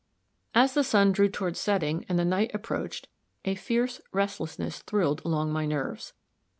As the sun drew toward setting and the night approached, a fierce restlessness thrilled along my nerves.